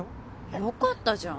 よかったじゃん。